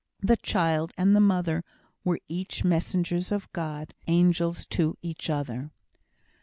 The child and the mother were each messengers of God angels to each other.